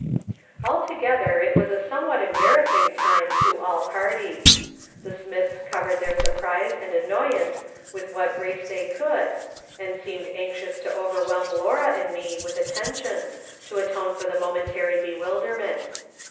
Altogether, it was a somewhat embarrassing time to all parties. The Smiths covered their surprise and annoyance with what grace tliey could, and seemed anxious to overwhelm Laura and me witli attentions, to atone for the momentary bewilderment.